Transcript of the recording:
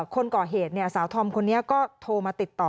คนก่อเหตุสาวธอมคนนี้ก็โทรมาติดต่อ